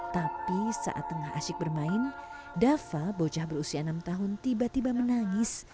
tapi saat tengah asyik bermain dava bocah berusia enam tahun tiba tiba menangis